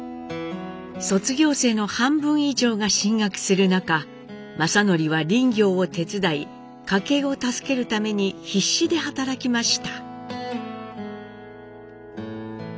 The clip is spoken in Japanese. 卒業生の半分以上が進学する中正徳は林業を手伝い家計を助けるために必死で働きました。